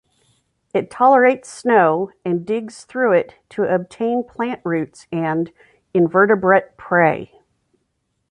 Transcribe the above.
It tolerates snow and digs through it to obtain plant roots and invertebrate prey.